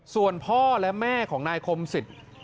ส่วนพ่อและแม่ของนายคมสิทธิ์